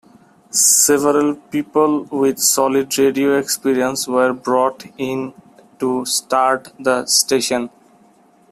Several people with solid radio experience were brought in to start the station.